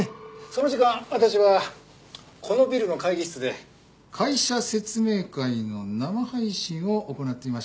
その時間私はこのビルの会議室で会社説明会の生配信を行っていました。